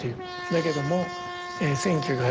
だけども。